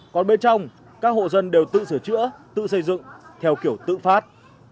còn bên trong các hộ dân đều tự sửa chữa tự xây dựng theo kiểu tự phát